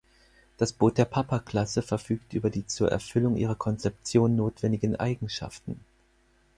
Das Boot der Papa-Klasse verfügte über die zur Erfüllung ihrer Konzeption notwendigen Eigenschaften.